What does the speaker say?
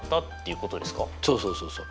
そうそうそうそう。